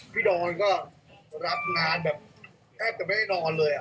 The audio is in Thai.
พี่ดอนก็รับงานแทบจะไม่ให้นอนเลย